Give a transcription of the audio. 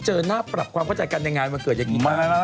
เจอหน้าปรับความเข้าใจกันในงานวันเกิดอย่างนี้มาก